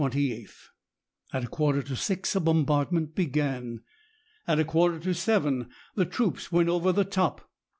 At a quarter to six a bombardment began. At a quarter to seven the troops went over the top.